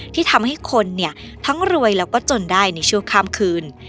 ที่ทำให้คนเนี่ยทั้งรวยแล้วก็จนได้ในชั่วข้ามคืน